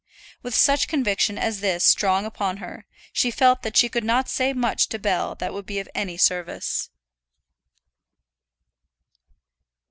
With such a conviction as this strong upon her, she felt that she could not say much to Bell that would be of any service.